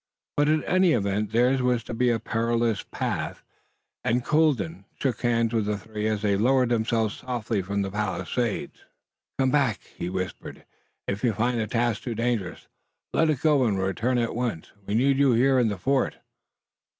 But in any event theirs was to be a perilous path, and Colden shook hands with the three as they lowered themselves softly from the palisade. "Come back," he whispered. "If you find the task too dangerous let it go and return at once. We need you here in the fort."